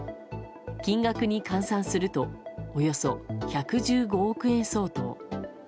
金額に換算するとおよそ１１５億円相当。